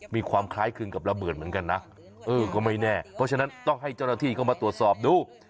มีความคล้ายคลึงกับระเบิดเหมือนกันนะเออก็ไม่แน่เพราะฉะนั้นต้องให้เจ้าหน้าที่เข้ามาตรวจสอบดู